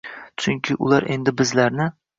Chunki ular endi bizlarni